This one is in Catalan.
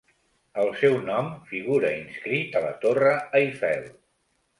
El seu nom figura inscrit a la Torre Eiffel.